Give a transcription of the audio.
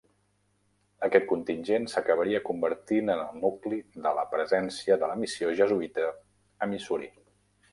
Aquest contingent s'acabaria convertint en el nucli de la presència de la missió jesuïta a Missouri.